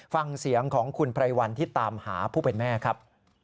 ฟังเสียงของคุณไพรวันที่ตามหาผู้เป็นแม่ครับ